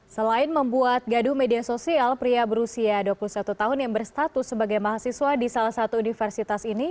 selain membuat gaduh media sosial pria berusia dua puluh satu tahun yang berstatus sebagai mahasiswa di salah satu universitas ini